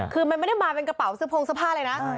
คือมันไม่ได้มาเป็นกระเป๋าเสื้อโพงเสื้อผ้าเลยนะ